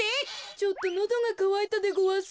ちょっとのどがかわいたでごわす。